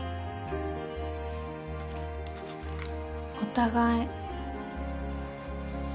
お互い。